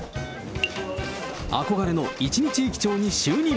憧れの一日駅長に就任。